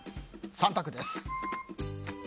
３択です。